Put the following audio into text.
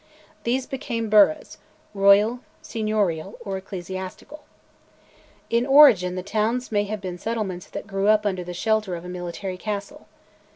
These became burghs, royal, seignorial, or ecclesiastical. In origin the towns may have been settlements that grew up under the shelter of a military castle.